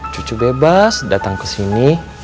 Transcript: cucu bebas datang kesini